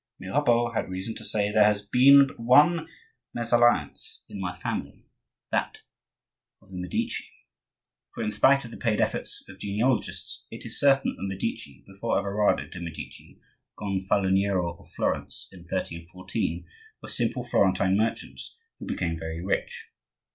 Mirabeau had reason to say: "There has been but one mesalliance in my family,—that of the Medici"; for in spite of the paid efforts of genealogists, it is certain that the Medici, before Everardo de' Medici, gonfaloniero of Florence in 1314, were simple Florentine merchants who became very rich.